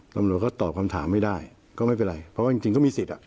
ตำรวจก็ตอบคำถามไม่ได้ก็ไม่เป็นไรเพราะว่าจริงจริงก็มีสิทธิ์อ่ะ